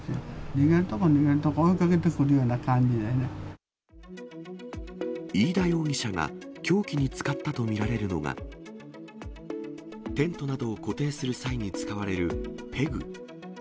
逃げるところ逃げるところ、飯田容疑者が凶器に使ったと見られるのが、テントなどを固定する際などに使われるペグ。